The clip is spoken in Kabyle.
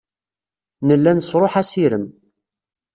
Nella nesṛuḥ assirem.